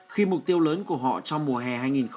khi mục tiêu lớn của họ trong mùa hè hai nghìn một mươi tám